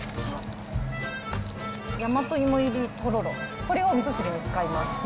大和芋入りとろろ、これをみそ汁に使います。